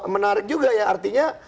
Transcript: menarik juga ya artinya